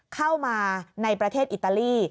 เข้ามาในประเทศอิตาลี